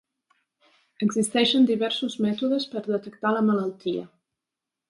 Existeixen diversos mètodes per detectar la malaltia.